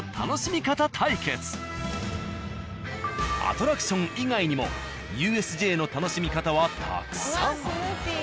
アトラクション以外にもＵＳＪの楽しみ方はたくさん。